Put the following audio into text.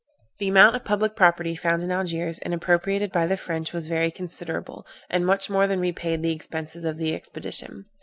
The amount of public property found in Algiers, and appropriated by the French, was very considerable, and much more than repaid the expenses of the expedition.